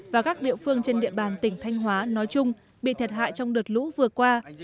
và các địa phương trên địa bàn tỉnh thanh hóa nói chung bị thiệt hại trong đợt lũ vừa qua